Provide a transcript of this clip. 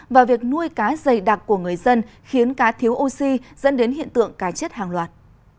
và việc nuôi cá dày đặc của người dân khiến cá thiếu oxy dẫn đến hiện tượng cá chết hàng loạt